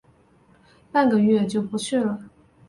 半个月就不去了